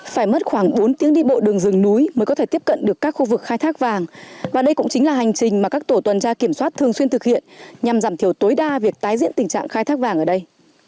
phải mất khoảng bốn tiếng đi bộ đường rừng núi mới có thể tiếp cận được các khu vực khai thác vàng và đây cũng chính là hành trình mà các tổ tuần tra kiểm soát thường xuyên thực hiện nhằm giảm thiểu tối đa việc tái diễn tình trạng khai thác vàng ở đây